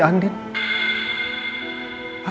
atau mungkin bu rosa